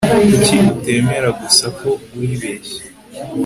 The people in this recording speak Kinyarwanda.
kuki utemera gusa ko wibeshye